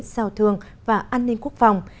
giao thương và an ninh quốc phòng